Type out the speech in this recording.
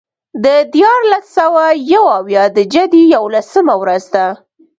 د دیارلس سوه یو اویا د جدې یوولسمه ورځ ده.